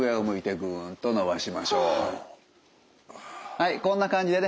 はいこんな感じでね